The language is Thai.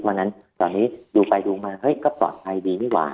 เพราะฉะนั้นตอนนี้ดูไปดูมาเฮ้ยก็ปลอดภัยดีนี่หว่า